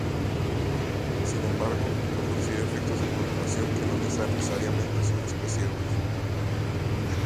Sin embargo, no considera efectos de correlación que no necesariamente son despreciables.